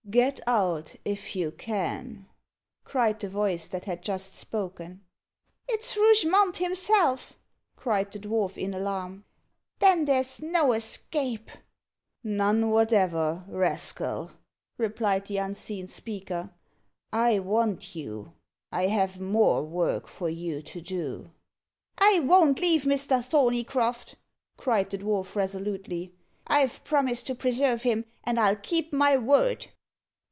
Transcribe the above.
"Get out if you can," cried the voice that had just spoken. "It's Rougemont himself," cried the dwarf in alarm. "Then there's no escape." "None whatever, rascal," replied the unseen speaker. "I want you. I have more work for you to do." "I won't leave Mr. Thorneycroft," cried the dwarf resolutely. "I've promised to preserve him, and I'll keep my word."